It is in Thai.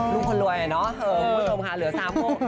ลูกคนรวยเนอะเผื่อพูดมือคุณค่ะ